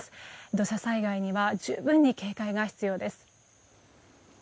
土砂災害には十分に警戒が必要です。